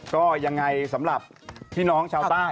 ก็ยังไงสำหรับพี่น้องชาวใต้